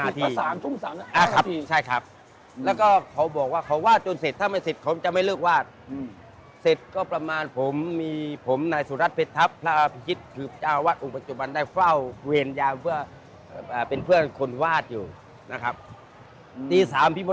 ตี๙๙นาทีภาษาจุ่ง๓นาทีอเจมส์อศัพท์พี่พ่อดำใช่ครับ